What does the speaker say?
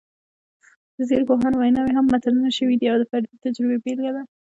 د ځینو پوهانو ویناوې هم متلونه شوي دي او د فردي تجربې بېلګه ده